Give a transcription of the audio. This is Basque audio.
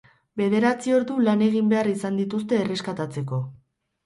Bederatzi ordu lan egin behar izan dituzte erreskatatzeko.